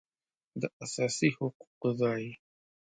داساسي حقوقو ځای